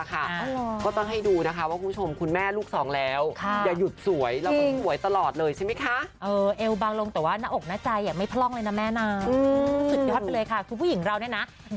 ก็บอกว่าโอ้ไฟลุกแม่ไฟลุกแซบอะไรอย่างนี้